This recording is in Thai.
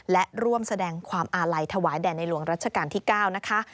และร่วมแสดงความอาลัยถวายแด่ในหลวงรัชกาลที่๙นะคะ